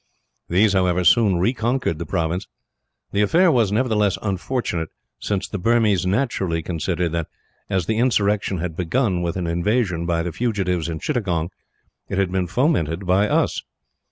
These, however, soon reconquered the province. The affair was, nevertheless, unfortunate, since the Burmese naturally considered that, as the insurrection had begun with an invasion by the fugitives in Chittagong, it had been fomented by us.